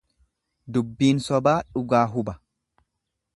Dubbiin sobaa dhugaa huba.